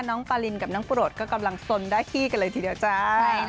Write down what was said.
น้องปารินกับน้องโปรดก็กำลังสนได้ที่กันเลยทีเดียวจ้า